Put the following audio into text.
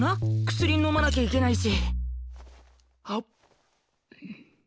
薬飲まなきゃいけないし